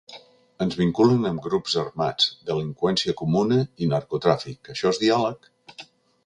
“Ens vinculen amb grups armats, delinqüència comuna i narcotràfic: això és diàleg?”